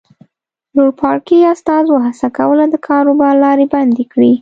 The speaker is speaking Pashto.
لوړپاړکي استازو هڅه کوله د کاروبار لارې بندې کړي.